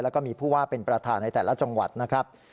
แล้วก็มีผู้ว่าเป็นประธานในแต่ละจังหวัดนะครับ